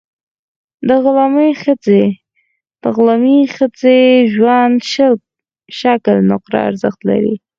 د غلامي ښځې ژوند شل شِکِل نقره ارزښت لري.